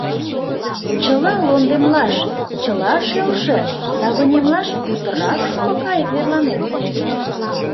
Чыла лондемлаш, чыла шелше да вынемлаш путырак шуко кайык верланен.